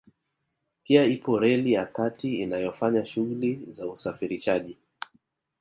Pia ipo reli ya kati inayofanya shughuli za usafirishaji